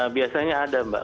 biasanya ada mbak